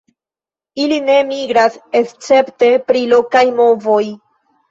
Ili ne migras escepte pri lokaj movoj.